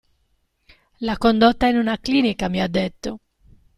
L'ha condotta in una clinica, mi ha detto.